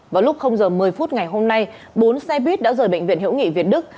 vào lúc giờ một mươi phút ngày hôm nay bốn xe buýt đã rời bệnh viện hữu nghị việt đức